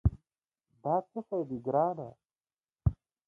دا څه شي دي، ګرانه؟